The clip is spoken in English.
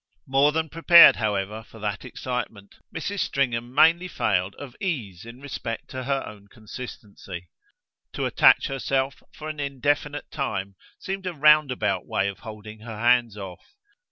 More than prepared, however, for that excitement, Mrs. Stringham mainly failed of ease in respect to her own consistency. To attach herself for an indefinite time seemed a roundabout way of holding her hands off.